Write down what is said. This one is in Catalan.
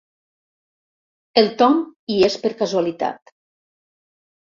El Tom hi és per casualitat.